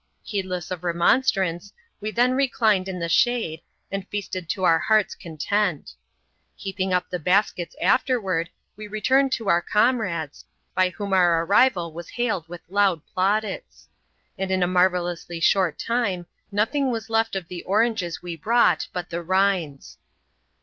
Heedless of remonstrance, we then reclined in the shade, and feasted to our heart's content. Heaping up the baskets after ward, we returned to our comrades, by whom our arrival was bailed with loud plaudits; and in a marvellously short time^ nothing was left of the oranges we brought but the rinds.